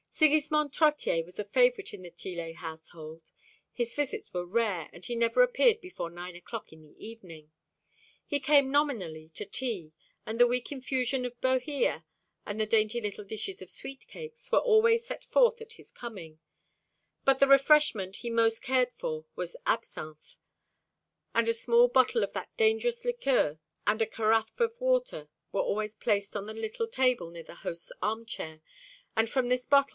Sigismond Trottier was a favourite in the Tillet household. His visits were rare, and he never appeared before nine o'clock in the evening. He came nominally to tea, and the weak infusion of Bohea and the dainty little dishes of sweet cakes were always set forth at his coming; but the refreshment he most cared for was absinthe, and a small bottle of that dangerous liqueur and a carafe of water were always placed on the little table near the host's armchair, and from this bottle M.